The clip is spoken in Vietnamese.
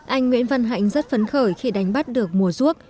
anh nguyễn văn hạnh rất phấn khởi khi đánh bắt được mùa ruốc